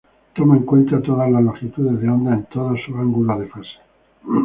Toma en cuenta todas las longitudes de onda en todos sus ángulos de fase.